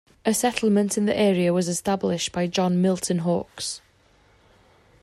A settlement in the area was established by John Milton Hawks.